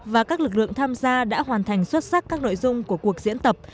và các lực lượng tham gia đã hoàn thành xuất sắc các nội dung của cuộc diễn tập